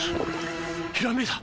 ひらめいた！